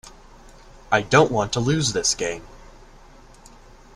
I don't want to lose this game.